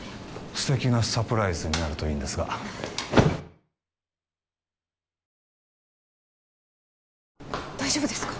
素敵なサプライズになるといいんですが大丈夫ですか？